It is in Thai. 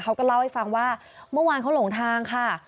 เขาก็เล่าให้ฟังว่าเมื่อวานเขาหลงทางค่ะ